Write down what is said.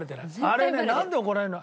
あれねなんで怒られるの？